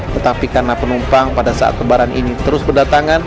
tetapi karena penumpang pada saat lebaran ini terus berdatangan